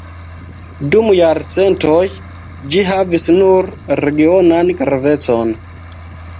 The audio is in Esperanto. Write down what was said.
Dum jarcentoj ĝi havis nur regionan gravecon.